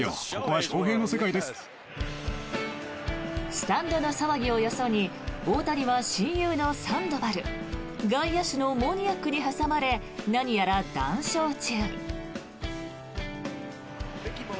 スタンドの騒ぎをよそに大谷は親友のサンドバル外野手のモニアックに挟まれ何やら談笑中。